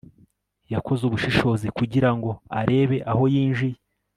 Yakoze ubushishozi kugira ngo arebe aho yinjiye